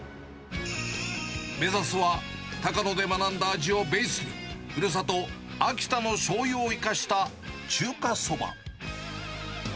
目指すは、多賀野で学んだ味をベースに、ふるさと、秋田のしょうゆを生かした中華そば。